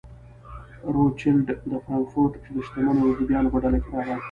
روچیلډ د فرانکفورټ د شتمنو یهودیانو په ډله کې راغی.